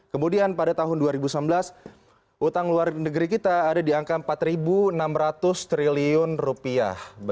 kemudian pada tahun dua ribu sembilan belas utang luar negeri kita ada di angka empat enam ratus triliun rupiah